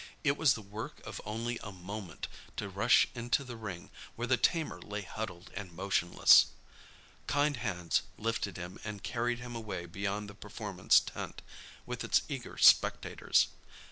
It was the work of only a moment to rush into the ring, where the tamer lay huddled and motionless. Kind hands lifted him and carried him away beyond the performance tent, with its eager spectators.